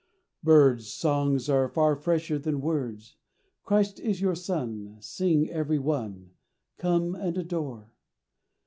Birds, Songs are far fresher than words, Christ is your Sun, Sing every one, Come and adore.